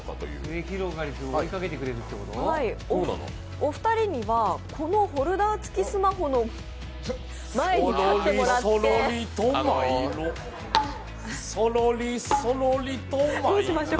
お二人にはこのフォルダー付きスマホの前に立っていたって、そろりそろりと参ろう。